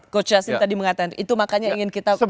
coach yassin tadi mengatakan itu makanya ingin kita